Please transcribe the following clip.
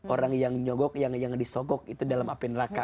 orang yang nyogok yang disogok itu dalam api neraka